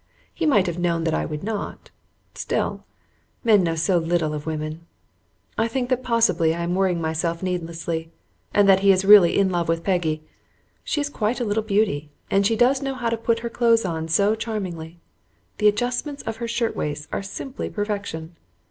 He might have known that I would not; still, men know so little of women. I think that possibly I am worrying myself needlessly, and that he is really in love with Peggy. She is quite a little beauty, and she does know how to put her clothes on so charmingly. The adjustments of her shirt waists are simply perfection.